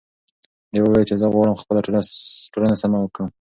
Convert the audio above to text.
دې وویل چې زه غواړم خپله ټولنه سمه کړم.